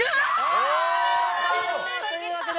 おぉ！というわけで。